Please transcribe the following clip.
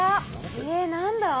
えっ何だ？